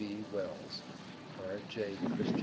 B. Wells_, R.J. CHRISTIAN.